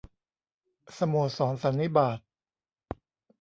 สโมสรสันนิบาต